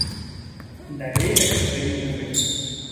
Далей так не павінна быць.